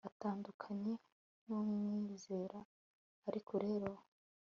atandukanye nu mwizera. ariko rero